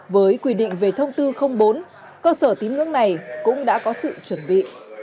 với quy định về thông tư bốn cơ sở tín ngưỡng này cũng đã có sự chuẩn bị